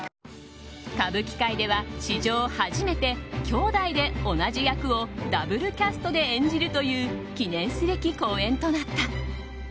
歌舞伎界では史上初めてきょうだいで同じ役をダブルキャストで演じるという記念すべき公演となった。